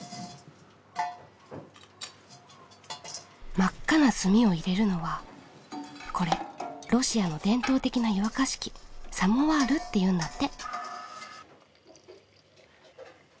真っ赤な炭を入れるのはこれロシアの伝統的な湯沸かし器サモワールっていうんだって。